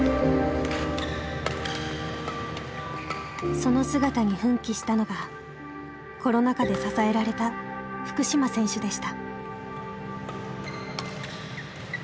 その姿に奮起したのがコロナ禍で支えられた福島選手でした。